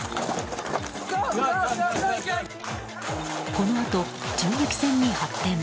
このあと、銃撃戦に発展。